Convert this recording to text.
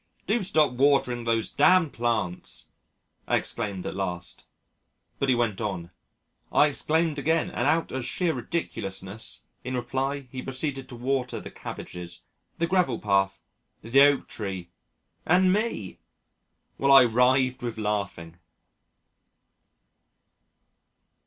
"Do stop watering those damned plants," I exclaimed at last. But he went on. I exclaimed again and out of sheer ridiculousness, in reply he proceeded to water the cabbages, the gravel path, the oak tree and me! While I writhed with laughing.